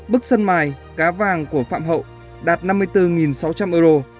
bức sân mài cá vàng của phạm hậu đạt năm mươi bốn sáu trăm linh euro